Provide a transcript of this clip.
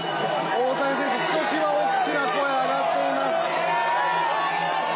大谷選手、ひときわ大きな声が上がっています。